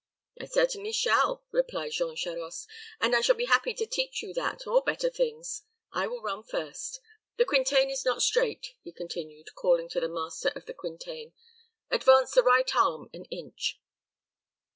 "I certainly shall," replied Jean Charost, "and I shall be happy to teach you that, or better things. I will run first. The Quintain is not straight," he continued, calling to the master of the Quintain. "Advance the right arm an inch."